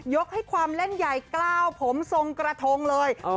ให้ความเล่นใหญ่กล้าวผมทรงกระทงเลย